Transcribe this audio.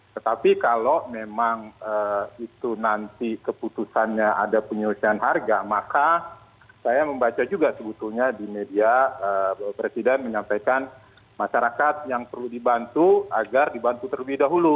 tetapi kalau memang itu nanti keputusannya ada penyelesaian harga maka saya membaca juga sebetulnya di media bapak presiden menyampaikan masyarakat yang perlu dibantu agar dibantu terlebih dahulu